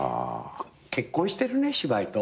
結婚してるね芝居と。